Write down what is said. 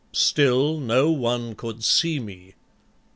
Still No one could see me.